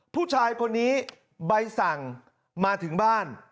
ผู้ชายคนนี้ใบสั่งมาถึงบ้าน